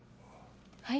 はい？